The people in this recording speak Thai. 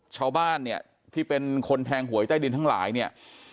ชาวบ้านเนี่ยที่เป็นคนแทงหวยใต้ดินทั้งหลายเนี่ย